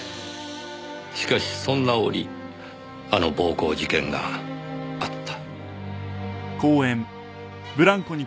しかしそんな折あの暴行事件があった。